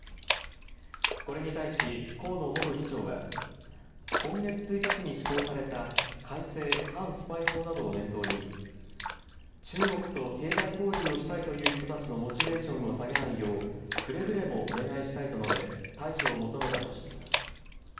これに対し、河野元議長は今月１日に施行された改正反スパイ法などを念頭に中国と経済交流をしたいという人たちのモチベーションを下げないようくれぐれもお願いしたいと述べ対処を求めたとしています。